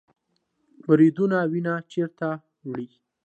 وریدونه وینه چیرته وړي؟